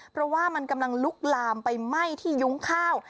เพราะว่ามันกำลังลุกลามไปไหม้ที่ยุ้งข้าว